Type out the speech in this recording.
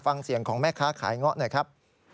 ฟังเสียงของแม่ค้าขายเงาะหน่อยครับ